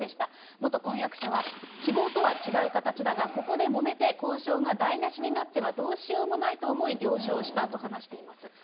元婚約者が、希望とは違う形だが、ここでもめて交渉が台無しになってはどうしようもないと思い、了承したと話しています。